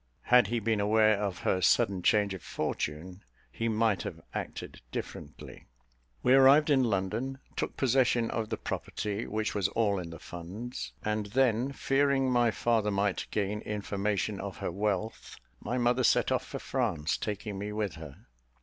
Had he been aware of her sudden change of fortune, he might have acted differently. "We arrived in London, took possession of the property, which was all in the funds; and then, fearing my father might gain information of her wealth, my mother set off for France, taking me with her.